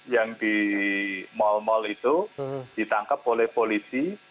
yang di mall mall itu ditangkap oleh polisi